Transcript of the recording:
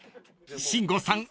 ［慎吾さん